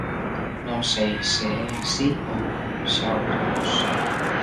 Non sei se é así ou non, xa o veremos.